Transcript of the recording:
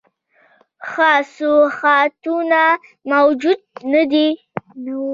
ښه سوغاتونه موجود نه وه.